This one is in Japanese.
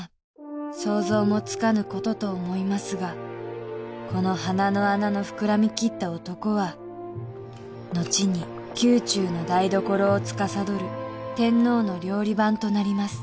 想像もつかぬことと思いますがこの鼻の穴の膨らみきった男は後に宮中の台所をつかさどる天皇の料理番となります